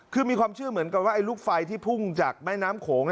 คือมีความเชื่อเหมือนกันว่าไอ้ลูกไฟที่พุ่งจากแม่น้ำโขง